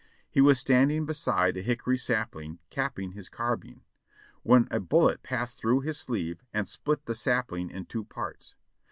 He was standing beside a hickory sapling capping his carbine, when a bullet passed through his sleeve and split the sap ling in two parts.